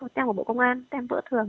tem của bộ công an tem vỡ thường